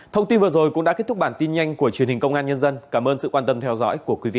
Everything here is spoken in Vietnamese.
thông tin vừa rồi cũng đã kết thúc bản tin nhanh của truyền hình công an nhân dân cảm ơn sự quan tâm theo dõi của quý vị